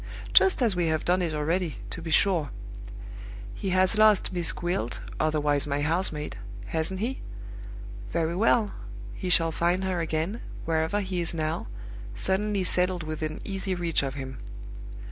Just as we have done it already, to be sure. He has lost 'Miss Gwilt' (otherwise my house maid), hasn't he? Very well. He shall find her again, wherever he is now, suddenly settled within easy reach of him.